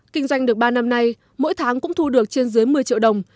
kinh doanh được ba năm nay mỗi tháng cũng thu được trên dưới một mươi triệu đồng